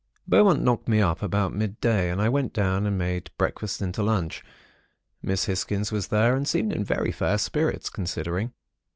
"Beaumont knocked me up about midday, and I went down and made breakfast into lunch. Miss Hisgins was there, and seemed in very fair spirits, considering.